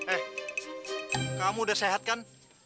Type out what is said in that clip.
eh kamu udah sehat kan